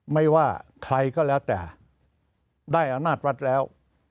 ไม่ว่าใครก็แล้วแต่ได้อำนาจรัฐแล้ว